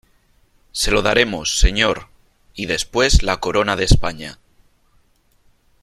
se lo daremos , señor ... y después la corona de España .